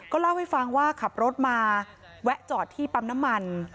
เล่าให้ฟังว่าขับรถมาแวะจอดที่ปั๊มน้ำมัน